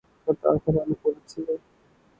کردار کا تعلق عورت سے ہے۔